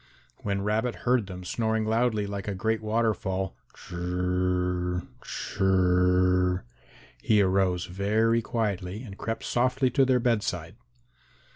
When Rabbit heard them snoring loudly like a great waterfall, "chr r r, chr r r," he arose very quietly and crept softly to their bedside.